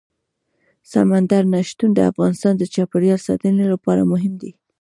سمندر نه شتون د افغانستان د چاپیریال ساتنې لپاره مهم دي.